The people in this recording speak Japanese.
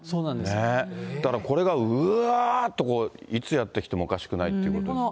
だからこれが、うわーっと、いつやって来てもおかしくないということですね。